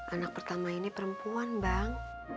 anak pertama ini perempuan bang